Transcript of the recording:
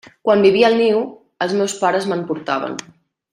Quan vivia al niu, els meus pares me'n portaven.